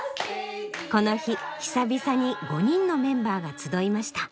この日久々に５人のメンバーが集いました。